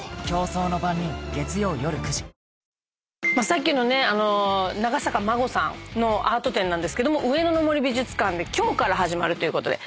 さっきのね長坂真護さんのアート展なんですけども上野の森美術館で今日から始まるということで。